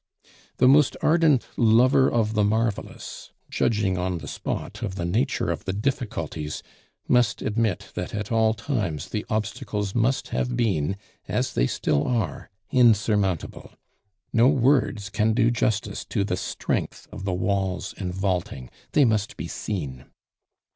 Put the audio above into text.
The most ardent lover of the marvelous, judging on the spot of the nature of the difficulties, must admit that at all times the obstacles must have been, as they still are, insurmountable. No words can do justice to the strength of the walls and vaulting; they must be seen.